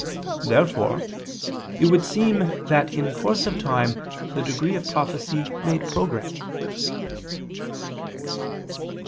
Therefore it would seem that in course of time the degree of prophecy made progress.